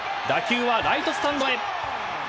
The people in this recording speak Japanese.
打球はライトスタンドへ。